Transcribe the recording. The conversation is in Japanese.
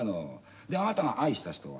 であなたが愛した人は？